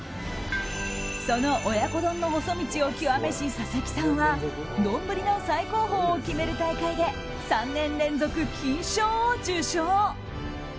その親子丼の細道を極めし佐々木さんは丼の最高峰を決める大会で３年連続、金賞を受賞。